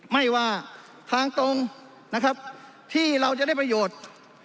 ไม่ว่าทางตรงนะครับที่เราจะได้ประโยชน์